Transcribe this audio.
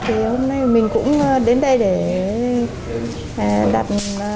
thì hôm nay mình cũng đến đây để đặt